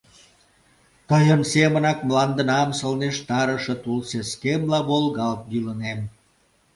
Тыйын семынак мландынам сылнештарыше тулсескемла волгалт йӱлынем.